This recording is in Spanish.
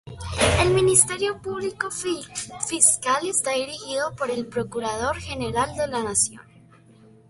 El Ministerio Público Fiscal está dirigido por el Procurador General de la Nación.